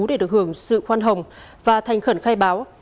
để được hưởng sự khoan hồng và thành khẩn khai báo